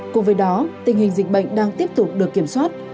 cùng với đó tình hình dịch bệnh đang tiếp tục được kiểm soát